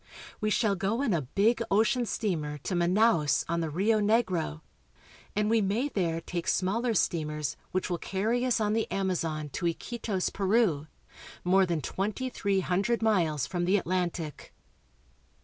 We shall go in a big ocean steamer to Manaos (ma na'5s), on the Rio Negro, and we may An Amazon Alligator. there take smaller steamers which will carry us on the Amazon to Iquitos, Peru, more than twenty three hundred^ miles from the Atlantic.